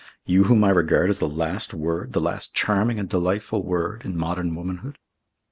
You whom I regard as the last word, the last charming and delightful word, in modern womanhood?"